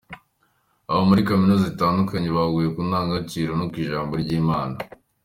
Abo muri Kaminuza zitandukanye bahuguwe ku ndangagaciro no ku ijambo ry’Imana